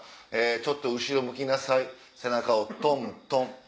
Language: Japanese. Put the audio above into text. ちょっと後ろ向きな背中をトントン！